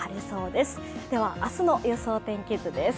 では、明日の予想天気図です。